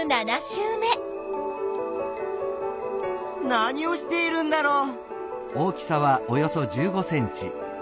何をしているんだろう？